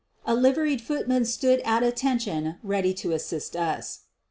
A liveried footman stood at at tention ready to assist us.